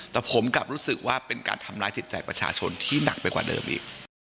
แต่ผมกลับรู้สึกว่าเป็นการทำร้ายจิตใจประชาชนที่หนักไปกว่าเดิมอีก